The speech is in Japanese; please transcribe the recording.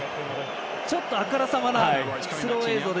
ちょっとあからさまな、スロー映像。